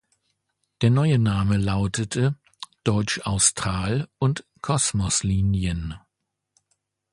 Der neue Name lautete "Deutsch-Austral und Kosmos-Linien".